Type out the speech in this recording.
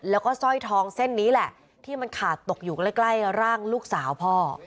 แล้วก็สร้อยทองเส้นนี้แหละที่มันขาดตกอยู่ใกล้ร่างลูกสาวพ่อ